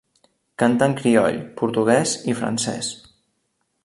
Canta en crioll, portuguès i francès.